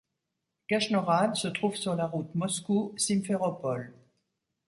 Krasnohrad se trouve sur la route Moscou – Simferopol.